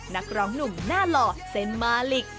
นักร้องหนุ่มหน้าหล่อเซ็นมาลิก